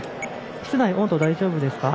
室内温度大丈夫ですか？